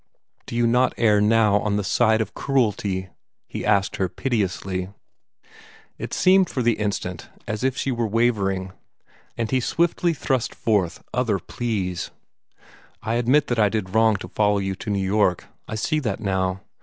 "Do you not err now, on the side of cruelty?" he asked her piteously. It seemed for the instant as if she were wavering, and he swiftly thrust forth other pleas. "I admit that I did wrong to follow you to New York. I see that now.